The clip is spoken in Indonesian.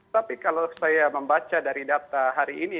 tapi kalau saya membaca dari data hari ini